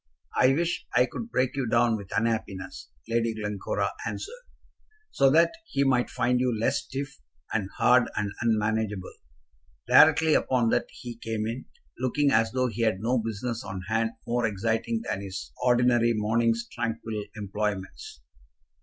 "I wish I could break you down with unhappiness," Lady Glencora answered, "so that he might find you less stiff, and hard, and unmanageable." Directly upon that he came in, looking as though he had no business on hand more exciting than his ordinary morning's tranquil employments.